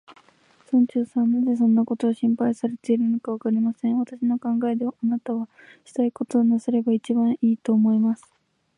村長さんがなぜそんなことを心配されるのか、わかりません。私の考えでは、あなたはしたいことをなさればいちばんいい、と思います。